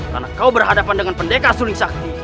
karena kau berhadapan dengan pendeka suling sakti